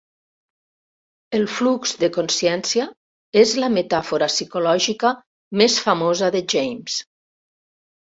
El flux de consciència és la metàfora psicològica més famosa de James.